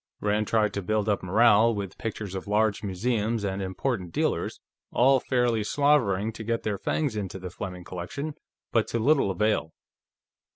Rand tried to build up morale with pictures of large museums and important dealers, all fairly slavering to get their fangs into the Fleming collection, but to little avail.